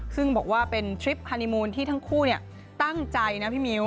ซึ่งบอกว่าเป็นทริปฮานีมูลที่ทั้งคู่ตั้งใจนะพี่มิ้ว